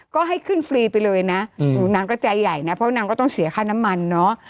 ก็ให้ขึ้นฟรีไปเลยนะนางก็ใจใหญ่นะเพราะนางก็ต้องเสียค่าน้ำมันเนาะ